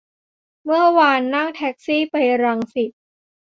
เมื่อวานนั่งแท็กซี่ไปรังสิต